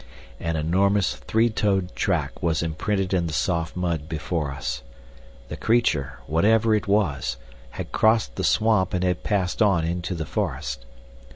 An enormous three toed track was imprinted in the soft mud before us. The creature, whatever it was, had crossed the swamp and had passed on into the forest.